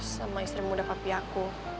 sama istri muda papi aku